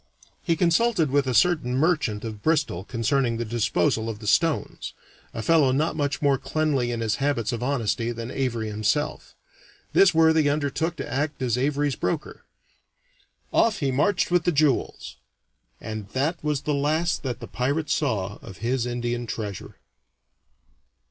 He consulted with a certain merchant of Bristol concerning the disposal of the stones a fellow not much more cleanly in his habits of honesty than Avary himself. This worthy undertook to act as Avary's broker. Off he marched with the jewels, and that was the last that the pirate saw of his Indian treasure.